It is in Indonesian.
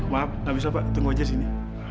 maaf gak bisa pak tunggu aja sini